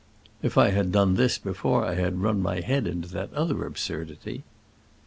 "If I had done this before I had run my head into that other absurdity!"